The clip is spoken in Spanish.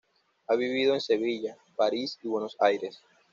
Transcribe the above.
Ha vivido en Sevilla, París y Buenos Aires.